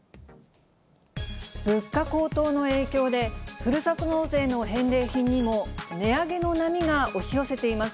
物価高騰の影響で、ふるさと納税の返礼品にも値上げの波が押し寄せています。